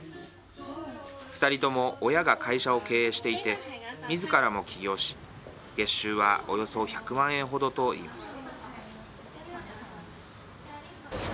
２人とも親が会社を経営していてみずからも起業し月収はおよそ１００万円程といいます。